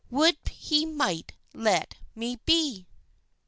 Would he might let me be!